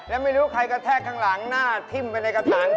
แล้วไม่รู้ใครครั้งหลังหน้าจิ้มไปในกะตางทุก